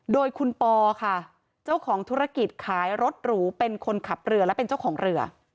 โดยคุณปอค่ะเจ้าของธุรกิจขายรถหรูเป็นคนขับเรือและเป็นเจ้าของเรือ